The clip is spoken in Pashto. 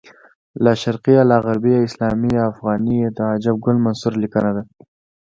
لاشرقیه لاغربیه اسلامیه افغانیه د عجب ګل منصور لیکنه ده